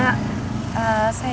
saya dengar di sekitar sini